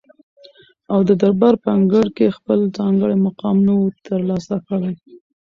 او ددربار په انګړ کي یې خپل ځانګړی مقام نه وو تر لاسه کړی